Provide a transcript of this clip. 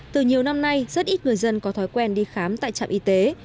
từ nhiều năm nay rất ít người dân có thói quen đi khám tại trạm y tế